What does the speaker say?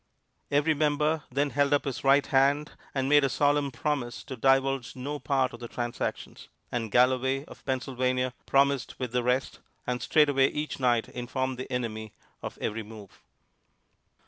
Every member then held up his right hand and made a solemn promise to divulge no part of the transactions; and Galloway, of Pennsylvania, promised with the rest, and straightway each night informed the enemy of every move.